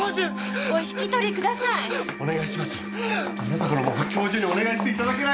あなたからも教授にお願いして頂けないでしょうか。